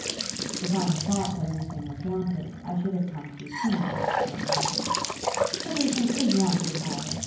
"If I had thought that anything was wanted, I should have come to you sooner," said he. "Everything is wanted, Harry.